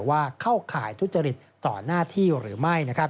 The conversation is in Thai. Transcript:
เข้าข่ายทุจริตต่อหน้าที่หรือไม่